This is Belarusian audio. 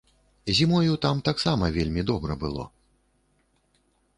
Зімою там таксама вельмі добра было.